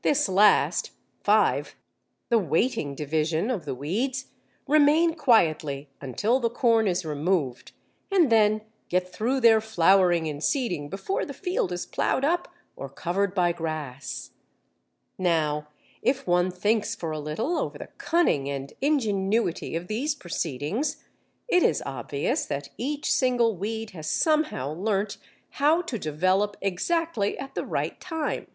This last, (5) the "waiting division" of the weeds, remain quietly until the corn is removed and then get through their flowering and seeding before the field is ploughed up or covered by grass. Now if one thinks for a little over the cunning and ingenuity of these proceedings, it is obvious that each single weed has somehow learnt how to develop exactly at the right time.